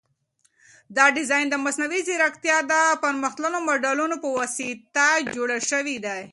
دا ډیزاین د مصنوعي ځیرکتیا د پرمختللو ماډلونو په واسطه جوړ شوی دی.